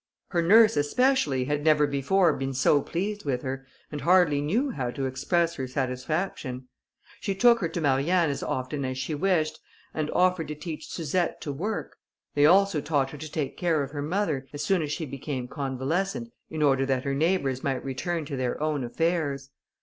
Her nurse, especially, had never before been so pleased with her, and hardly knew how to express her satisfaction. She took her to Marianne as often as she wished, and offered to teach Suzette to work; they also taught her to take care of her mother, as soon as she became convalescent, in order that her neighbours might return to their own affairs.